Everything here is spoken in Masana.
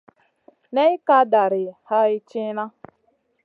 Ney ka dari hay tìhna.